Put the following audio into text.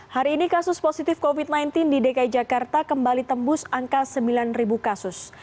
hari ini kasus positif covid sembilan belas di dki jakarta kembali tembus angka sembilan kasus